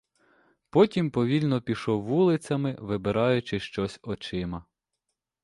Потім повільно пішов вулицями, вибираючи щось очима.